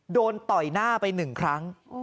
โดนต่อยหน้าไปนึงครั้ง